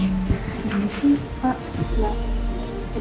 ini sih pak